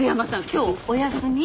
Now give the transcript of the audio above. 今日お休み？